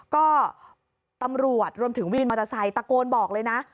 ก็ตำรวจรวมถึงวินมอเตอร์ไซค์ตะโกนบอกเลยนะ